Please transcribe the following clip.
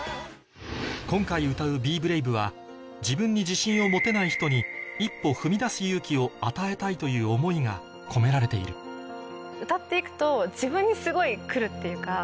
今回歌う『ＢｅＢｒａｖｅ』は自分に自信を持てない人にを与えたいという思いが込められている歌って行くと自分にすごい来るっていうか。